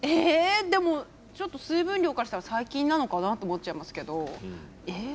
でも水分量からしたら最近なのかなと思っちゃいますけど。